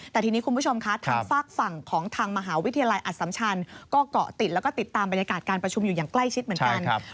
แต่ทีนี้คุณผู้ชมคะทางฝากฝั่งของทางมหาวิทยาลัยอสัมชันก็เกาะติดแล้วก็ติดตามบรรยากาศการประชุมอยู่อย่างใกล้ชิดเหมือนกัน